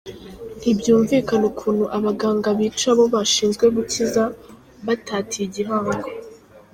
Ntibyumvikana ukuntu abaganga bica abo bashinzwe gukiza, batatiye igihango.